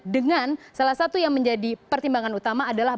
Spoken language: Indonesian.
dengan salah satu yang menjadi pertimbangan utama adalah